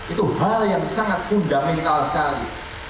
itu hal yang sangat fundamental sekali